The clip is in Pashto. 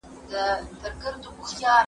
که پوزی جوړ کړو نو مسجونه نه تشیږي.